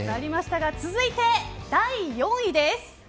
続いて、第４位です。